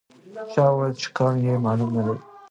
چا وویل چې قوم یې معلوم نه دی.